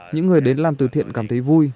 những người đến làm tử thiện cảm thấy vui